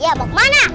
ya mau ke mana